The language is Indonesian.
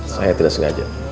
saya tidak sengaja